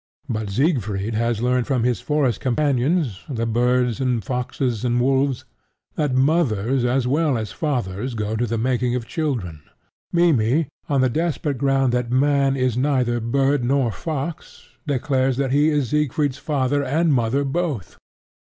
But Siegfried has learned from his forest companions, the birds and foxes and wolves, that mothers as well as fathers go to the making of children. Mimmy, on the desperate ground that man is neither bird nor fox, declares that he is Siegfried's father and mother both.